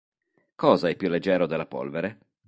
Cosa è più leggero della polvere?